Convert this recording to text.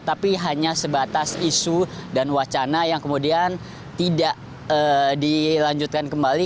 tapi hanya sebatas isu dan wacana yang kemudian tidak dilanjutkan kembali